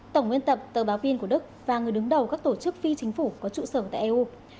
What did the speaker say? tổng biên tập tờ báo pin của đức và người đứng đầu các tổ chức phi chính phủ có trụ sở tại eu